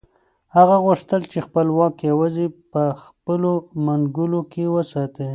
هغه غوښتل چې خپل واک یوازې په خپلو منګولو کې وساتي.